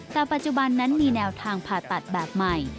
แต่ปัจจุบันนั้นมีแนวทางผ่าตัดแบบใหม่